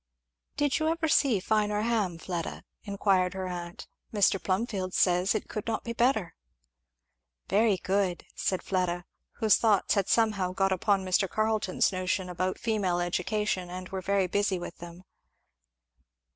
"Did you ever see finer ham, Fleda?" inquired her aunt. "Mr. Plumfield says it could not be better." "Very good!" said Fleda, whose thoughts had somehow got upon Mr. Carleton's notions about female education and were very busy with them.